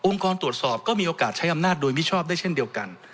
กรตรวจสอบก็มีโอกาสใช้อำนาจโดยมิชอบได้เช่นเดียวกัน